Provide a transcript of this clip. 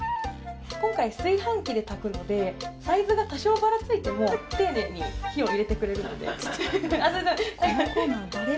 今回炊飯器で炊くのでサイズが多少ばらついても丁寧に火を入れてくれるので。